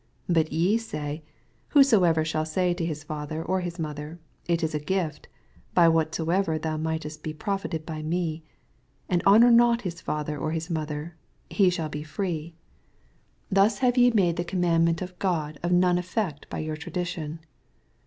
5 But ye say, Whosoever shall say to his rather or his mother, It it a gift, by whatsoever thou mightest bo profited by me ; 6 And honor not his &ther or his mother, he shall he/rse. Thus haw MATTHEW, CHAP. XV. 171 y« made the oonimandment of €k>d of wme effect by your tradition.